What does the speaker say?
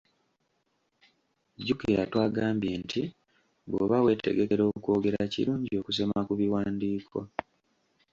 Jjukira twagambye nti bw’oba weetegekera okwogera kirungi okusoma ku biwandiiko.